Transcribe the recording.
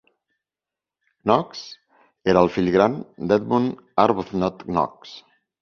Knox era el fill gran d'Edmund Arbuthnott Knox.